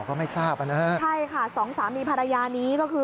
ก็ไม่ทราบอ่ะนะฮะใช่ค่ะสองสามีภรรยานี้ก็คือ